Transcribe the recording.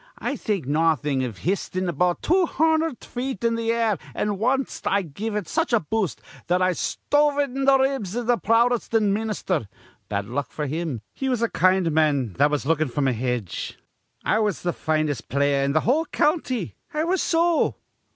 I'd think nawthin' iv histin' th' ball two hundherd feet in th' air, an' wanst I give it such a boost that I stove in th' ribs iv th' Prowtestant minister bad luck to him, he was a kind man that was lookin' on fr'm a hedge. I was th' finest player in th' whole county, I was so.